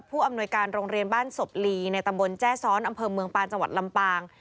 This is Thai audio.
อำนวยการโรงเรียนบ้านศพลีในตำบลแจ้ซ้อนอำเภอเมืองปานจังหวัดลำปาง